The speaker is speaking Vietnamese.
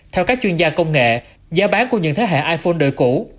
theo các chuyên gia công nghệ giá bán của những thế hệ iphone đời cũ